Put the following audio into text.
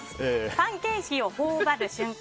パンケーキを頬張る瞬間